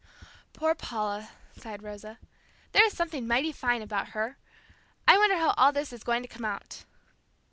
"Poor Paula!" sighed Rosa. "There is something mighty fine about her. I wonder how all this is going to come out."